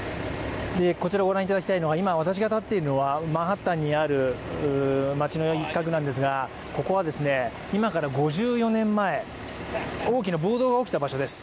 こちらご覧いただきたいのが今私が立っているのは、マンハッタンにある街の一角なんですが、ここは今から５４年前、大きな暴動が起きた場所です。